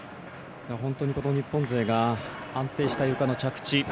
本当にこの日本勢が安定した床の着地